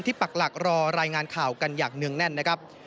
ปักหลักรอรายงานข่าวกันอย่างเนื่องแน่นนะครับ